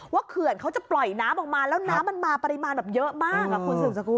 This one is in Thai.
ว่าเขื่อนเขาจะปล่อยน้ำออกมาแล้วน้ำมันมาปริมาณเยอะมาก